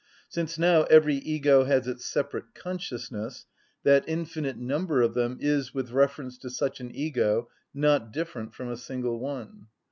Since now every ego has its separate consciousness, that infinite number of them is, with reference to such an ego, not different from a single one.